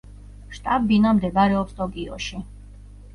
შტაბ-ბინა მდებარეობს ტოკიოში.